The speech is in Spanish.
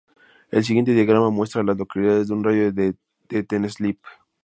El siguiente diagrama muestra a las localidades en un radio de de Ten Sleep.